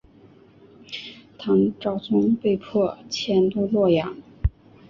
唐昭宗被迫迁都洛阳。